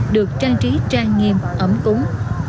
được trang trí trang nghiêm ấm cúng